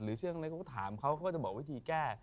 เราถามเขาจะบอกวิธีแก้